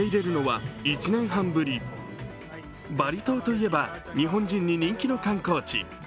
バリ島といえば日本人に人気の観光地。